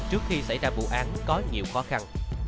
trước khi xảy ra vụ án có nhiều khó khăn